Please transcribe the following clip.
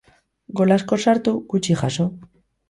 Gol asko sartu, gutxi jaso.